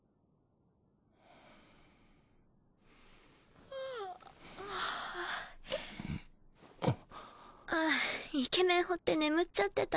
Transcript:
淵献絅鵝法あイケメンほって眠っちゃってた。